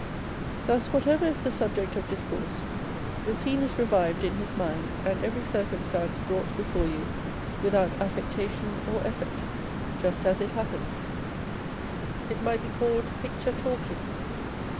â€" Thus, whatever is the subject of discourse, the scene is revived in his mind, and every circumstance brought before you without affectation or effort, just as it happened. It might be called picture talking.